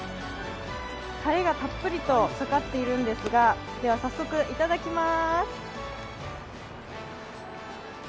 たれがたっぷりとかかっているんですが、早速いただきます。